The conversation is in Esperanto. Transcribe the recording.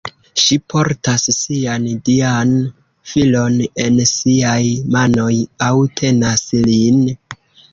Ŝi portas sian dian filon en siaj manoj, aŭ tenas lin.